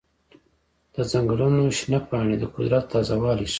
د ځنګلونو شنه پاڼې د قدرت تازه والی ښيي.